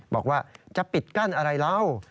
บอกว่าจะปิดกั้นอะไรเรา